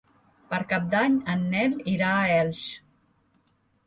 Per Cap d'Any en Nel irà a Elx.